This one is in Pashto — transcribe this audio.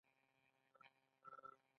بلکې دا لیدلوری دوه مسئلې له یو بل جلا کوي.